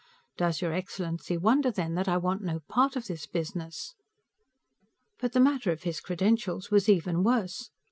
Does your excellency wonder, then, that I want no part of this business? But the matter of his credentials was even worse.